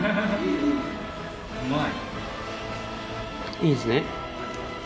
いいんですね？